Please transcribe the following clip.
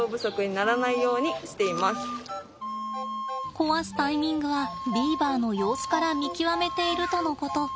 壊すタイミングはビーバーの様子から見極めているとのこと。